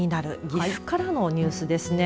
岐阜からのニュースですね。